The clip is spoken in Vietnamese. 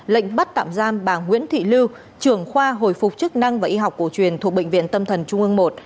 lệnh bắt tạm giam bà nguyễn thị lưu trưởng khoa hồi phục chức năng và y học cổ truyền thuộc bệnh viện tâm thần trung ương i